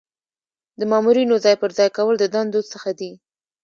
د مامورینو ځای پر ځای کول د دندو څخه دي.